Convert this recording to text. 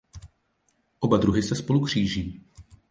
Oba druhy se spolu kříží.